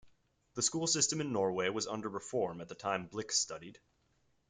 The school system in Norway was under reform at the time Blix studied.